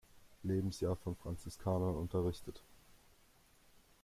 Lebensjahr von Franziskanern unterrichtet.